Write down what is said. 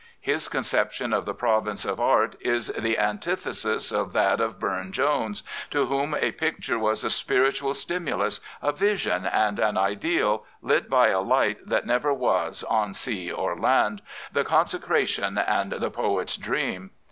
His conception of the province of art 43 Prophets, Priests, and Kings is the antithesis of that of Burne Jones, to whom a picture was a spiritual stimulus, a vision and an ideal, lit by a light that never was on sea or land, " the consecration and the poet's dream."